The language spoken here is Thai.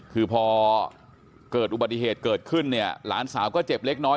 คือพอเกิดอุบัติเหตุเกิดขึ้นเนี่ยหลานสาวก็เจ็บเล็กน้อย